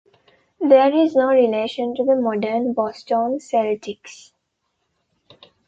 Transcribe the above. There is no relation to the modern Boston Celtics.